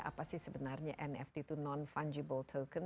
apa sih sebenarnya nft itu non fungible token